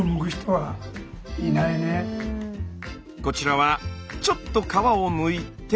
こちらはちょっと皮をむいて。